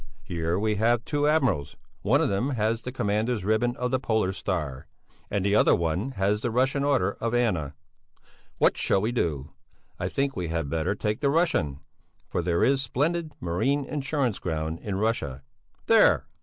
Here we have two admirals; one of them has the Commander's Ribbon of the Polar Star, and the other one has the Russian Order of Anna. What shall we do? I think we had better take the Russian, for there is splendid marine insurance ground in Russia.... There!"